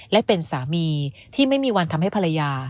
และเป็นสามีที่ไม่มีวันทำให้ภรรยา